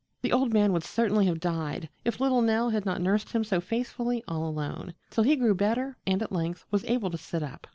The old man would certainly have died if little Nell had not nursed him so faithfully, all alone, till he grew better and at length was able to sit up.